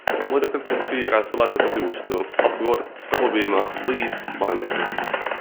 Mõõdukalt võib süüa ka sulatatud juustu, hapukoort, kohupiima, võid, majoneesi.